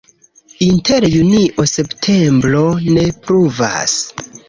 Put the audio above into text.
Inter junio-septembro ne pluvas.